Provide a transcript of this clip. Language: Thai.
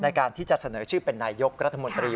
ในการที่จะเสนอชื่อเป็นนายยกรัฐมนตรี